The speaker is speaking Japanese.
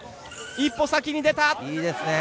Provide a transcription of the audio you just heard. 一歩先に出た。